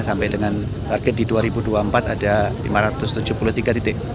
sampai dengan target di dua ribu dua puluh empat ada lima ratus tujuh puluh tiga titik